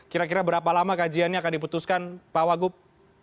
kira kira berapa lama kajiannya akan diputuskan pak wagub